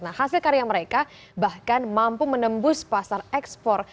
nah hasil karya mereka bahkan mampu menembus pasar ekspor